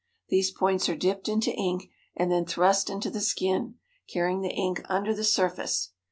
These points are dipped into ink and then thrust into the skin, carrying the ink under the surface.